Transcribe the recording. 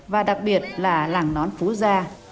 và đặc biệt là làng nón phú gia